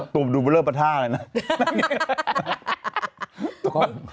ตัวดูเบอร์เลอร์ปะท่าเลยนะ